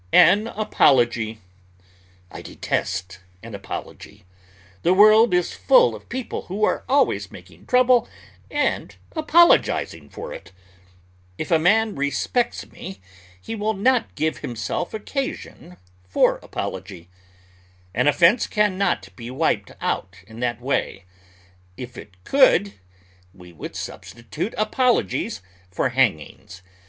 AN APOLOGY I detest an apology. The world is full of people who are always making trouble and apologizing for it. If a man respects me, he will not give himself occasion for apology. An offense can not be wiped out in that way. If it could, we would substitute apologies for hangings.